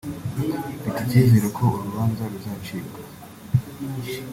“Mfite icyizere ko uru rubanza ruzacibwa